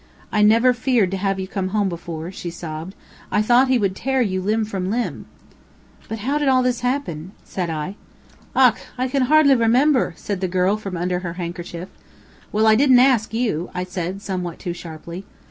"I never feared to have you come home before," she sobbed. "I thought he would tear you limb from limb." "But how did all this happen?" said I. "Och! I kin hardly remember," said the girl from under her handkerchief. "Well, I didn't ask you," I said, somewhat too sharply.